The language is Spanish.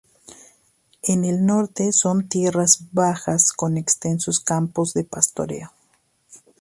En el norte son tierras bajas con extensos campos de pastoreo.